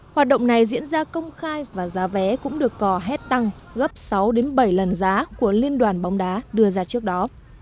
hoạt động này diễn ra công khai và giá vé cũng được cò hét tăng gấp sáu bảy lần giá của liên đoàn bóng đá đưa ra trước đó